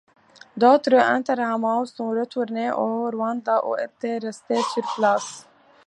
D'autres Interahamwe sont retournés au Rwanda ou étaient restés sur place.